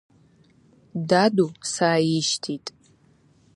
Даду сааишьҭит…